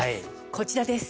こちらです。